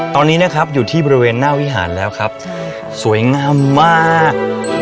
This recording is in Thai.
ตอนนี้นะครับอยู่ที่บริเวณหน้าวิหารแล้วครับสวยงามมาก